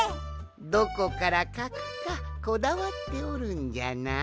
どこからかくかこだわっておるんじゃな。